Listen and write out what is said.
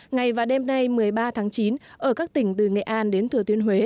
ngày và đêm nay một mươi ba tháng chín ở các tỉnh từ nghệ an đến thừa thiên huế